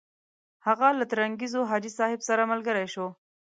هغه له ترنګزیو حاجي صاحب سره ملګری شو.